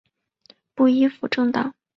不依附政党！